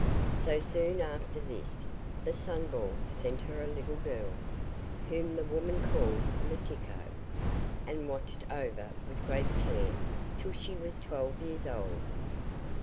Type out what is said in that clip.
So soon after this the Sunball sent her a little girl, whom the woman called Letiko, and watched over with great care till she was twelve years old.